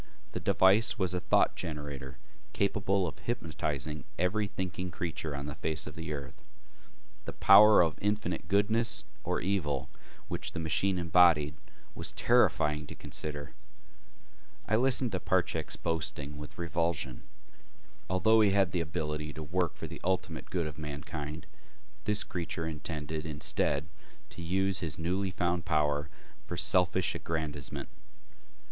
The device was a thought generator capable of hypnotizing every thinking creature on the face of the earth. The power of infinite goodness or evil which the machine embodied was terrifying to consider. I listened to Parchak's boasting with revulsion. Although he had the ability to work for the ultimate good of mankind, this creature intended, instead, to use his newly found power for selfish aggrandizement.